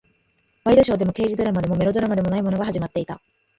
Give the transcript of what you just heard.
ワイドショーでも、刑事ドラマでも、メロドラマでもないものが始まっていた。